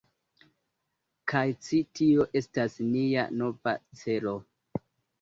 Kaj ĉi tio estas nia nova celo